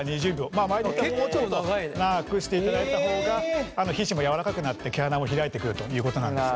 まあ場合によったらもうちょっと長くしていただいた方が皮脂も柔らかくなって毛穴も開いてくるということなんですよね。